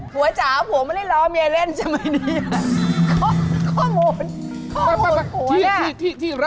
หัวจ๋าวผมไม่ได้รอเมียเล่นจะไม่ดีล่ะ